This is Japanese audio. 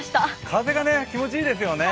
風が気持ちいいですよね。